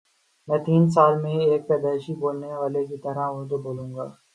میں تین سال میں ایک پیدائشی بولنے والے کی طرح اردو بولوں گا